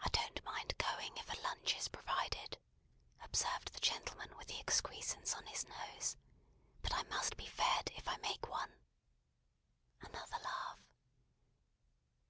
"I don't mind going if a lunch is provided," observed the gentleman with the excrescence on his nose. "But I must be fed, if I make one." Another laugh.